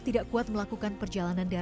pnicask mm cipu datang lagi duda